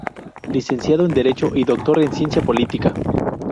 Licenciado en derecho y doctor en ciencia política.